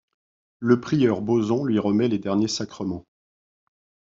Le prieur Boson lui remet les derniers sacrements.